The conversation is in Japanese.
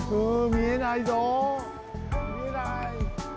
みえない！